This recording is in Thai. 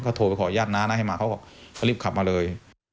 โทรไปขออนุญาตน้านะให้มาเขาก็รีบขับมาเลย